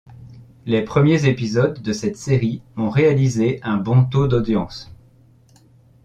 Les premiers épisodes de cette série ont réalisé un bon taux d'audience.